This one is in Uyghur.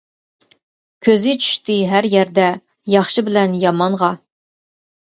كۆزى چۈشتى ھەر يەردە، ياخشى بىلەن يامانغا.